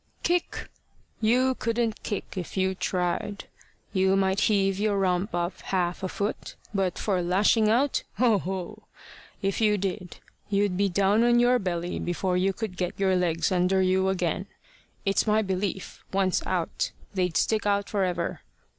"Kick! You couldn't kick if you tried. You might heave your rump up half a foot, but for lashing out oho! If you did, you'd be down on your belly before you could get your legs under you again. It's my belief, once out, they'd stick out for ever.